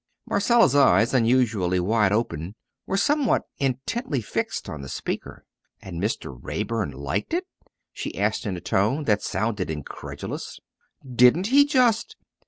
Marcella's eyes, unusually wide open, were somewhat intently fixed on the speaker. "And Mr. Raeburn liked it?" she asked in a tone that sounded incredulous. "Didn't he just?